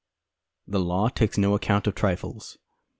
The law takes no account of trifles.